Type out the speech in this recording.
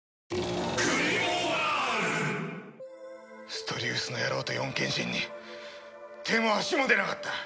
ストリウスの野郎と四賢神に手も足も出なかった。